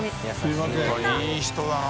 いい人だな